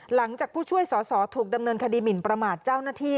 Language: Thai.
หลังจากผู้ช่วยสอสอถูกดำเนินคดีหมินประมาทเจ้าหน้าที่